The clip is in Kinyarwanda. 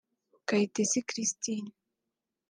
Kayitesi Christine